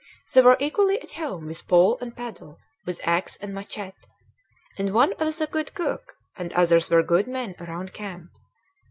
They were equally at home with pole and paddle, with axe and machete; and one was a good cook and others were good men around camp.